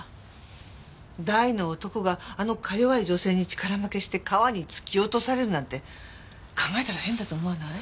大の男があのかよわい女性に力負けして川に突き落とされるなんて考えたら変だと思わない？